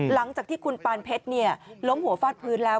หลังจากที่คุณปานเพชรล้มหัวฟาดพื้นแล้ว